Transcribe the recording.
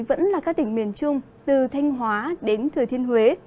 vẫn là các tỉnh miền trung từ thanh hóa đến thừa thiên huế